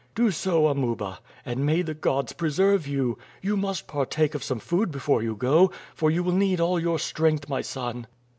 "Do so, Amuba, and may the gods preserve you. You must partake of some food before you go, for you will need all your strength, my son."